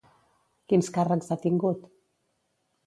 Quins càrrecs ha tingut?